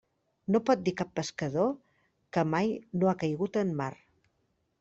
No pot dir cap pescador que mai no ha caigut en mar.